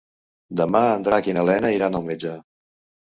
Demà en Drac i na Lena iran al metge.